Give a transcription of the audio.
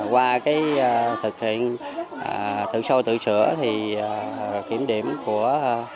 qua cái thực hiện tự soi tự sửa thì kiểm điểm của